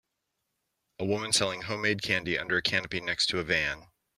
A woman selling homemade candy under a canopy next to a van.